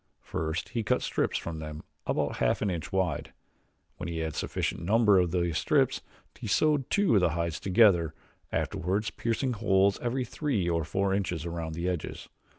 First he cut strips from them about half an inch wide. When he had sufficient number of these strips he sewed two of the hides together, afterwards piercing holes every three or four inches around the edges.